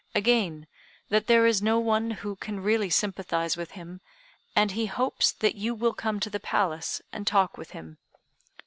Again, that there is no one who can really sympathize with him; and he hopes that you will come to the Palace, and talk with him.